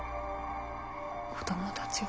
子供たちが。